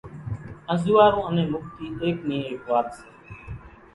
انزوئارُو انين مُڳتي ايڪ نِي ايڪ وات سي